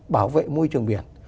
bảo vệ môi trường biển